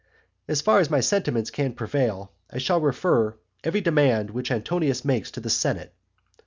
As far as my sentiments can prevail I shall refer every demand which Antonius makes to the senate.